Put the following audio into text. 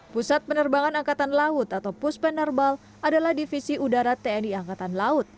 pusat penerbangan angkatan laut atau puspenerbal adalah divisi udara tni angkatan laut